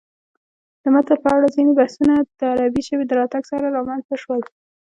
د متل په اړه ځینې بحثونه د عربي ژبې د راتګ سره رامنځته شول